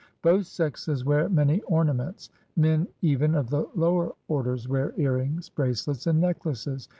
Both sexes wear many ornaments. Men even of the lower orders wear earrings, bracelets, and necklaces.